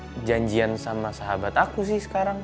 aduh aku mau janjian sama sahabat aku sih sekarang